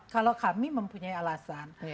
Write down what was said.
kalau kami mempunyai alasan